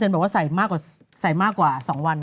๑๓บอกว่าใส่มากกว่า๒วัน